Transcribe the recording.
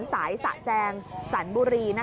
ขายมาตั้งสี่สิบกว่าปีแล้ว